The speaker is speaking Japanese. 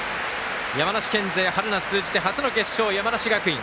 山梨県勢、春夏通じて初の決勝、山梨学院。